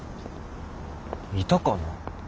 いたかなあ？